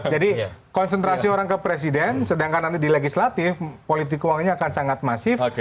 jadi konsentrasi orang ke presiden sedangkan nanti di legislatif politik uangnya akan sangat masif